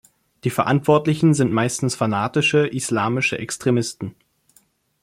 Die Verantwortlichen sind meistens fanatische islamische Extremisten.